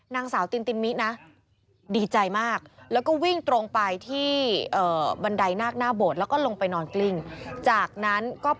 นางสาวติ้นมิ๊ดนะ